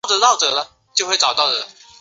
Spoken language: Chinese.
现为纽约执业律师。